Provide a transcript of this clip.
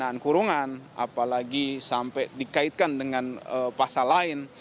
dan kurungan apalagi sampai dikaitkan dengan pasal lain